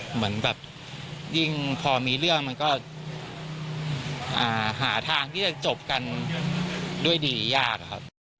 เหมือนแบบยิ่งพอมีเรื่องมันก็หาทางที่จะจบกันด้วยดียากอะครับ